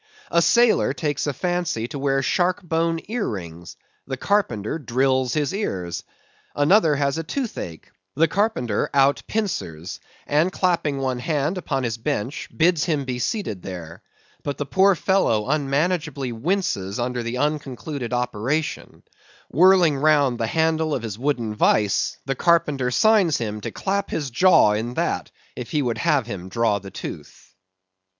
A sailor takes a fancy to wear shark bone ear rings: the carpenter drills his ears. Another has the toothache: the carpenter out pincers, and clapping one hand upon his bench bids him be seated there; but the poor fellow unmanageably winces under the unconcluded operation; whirling round the handle of his wooden vice, the carpenter signs him to clap his jaw in that, if he would have him draw the tooth.